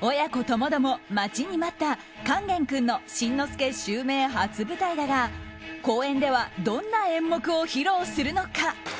親子共々待ちに待った勸玄君の新之助襲名初舞台だが公演ではどんな演目を披露するのか。